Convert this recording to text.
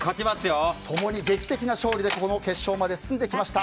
共に劇的な勝利で決勝まで進んできました